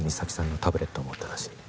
タブレットを持っているらしい